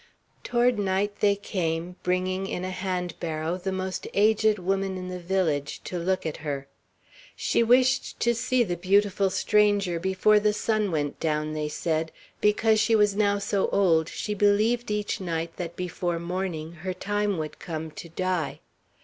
Toward night they came, bringing in a hand barrow the most aged woman in the village to look at her. She wished to see the beautiful stranger before the sun went down, they said, because she was now so old she believed each night that before morning her time would come to die.